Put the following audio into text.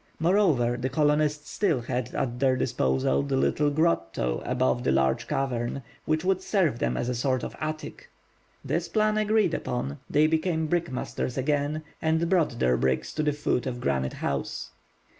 Moreover, the colonists still had at their disposal the little grotto above the large cavern, which would serve them as a sort of attic. This plan agreed upon, they became brickmakers again, and brought their bricks to the foot of Granite House.